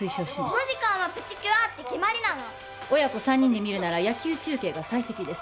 この時間はプチキュアって決まりなの親子３人で見るなら野球中継が最適です